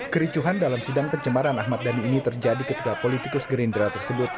kericuhan dalam sidang pencemaran ahmad dhani ini terjadi ketika politikus gerindra tersebut